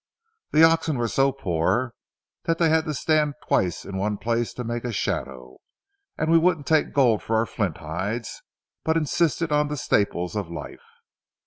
The oxen were so poor that they had to stand twice in one place to make a shadow, and we wouldn't take gold for our flint hides but insisted on the staples of life.